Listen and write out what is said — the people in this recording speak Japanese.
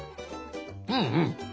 うんうん。